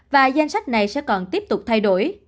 và danh sách này sẽ còn tiếp tục thay đổi